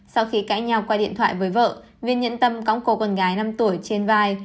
sau khi cãi nhau qua điện thoại với vợ viên nhẫn tâm cõng cô con gái năm tuổi trên vai